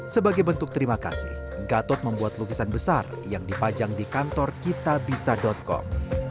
sebagai bentuk terima kasih gatot membuat lukisan besar yang dipajang di kantor kitabisa com